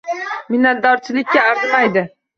Minnatdorchilikka arzimaydi.